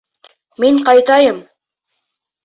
Мин ҡайтайым...